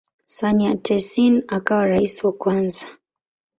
Sun Yat-sen akawa rais wa kwanza.